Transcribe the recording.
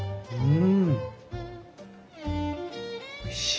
うん！